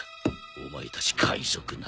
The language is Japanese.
お前たち海賊なのか。